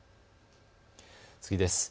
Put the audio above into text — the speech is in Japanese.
次です。